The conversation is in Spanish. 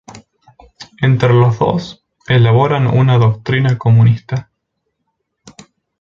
Entre los dos elaboran una doctrina comunista.